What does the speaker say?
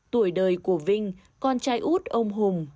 tuổi đời của vinh con trai út ông hùng